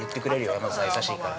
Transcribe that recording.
山里さん、優しいから。